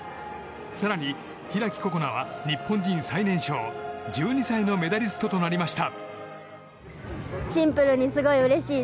更に、開心那は日本人最年少、１２歳のメダリストとなりました。